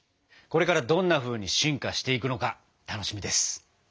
これからどんなふうに進化していくのか楽しみです。